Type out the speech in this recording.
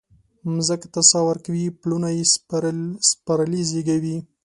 مځکې ته ساه ورکوي پلونه یي سپرلي زیږوي